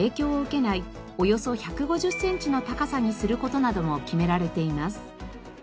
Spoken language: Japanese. およそ１５０センチの高さにする事なども決められています。